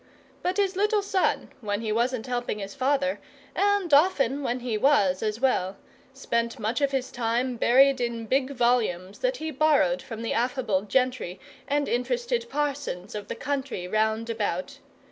But his little son, when he wasn't helping his father, and often when he was as well, spent much of his time buried in big volumes that he borrowed from the affable gentry and interested parsons of the country round about.